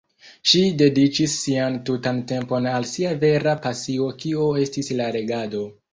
Ŝi dediĉis sian tutan tempon al sia vera pasio kio estis la legado.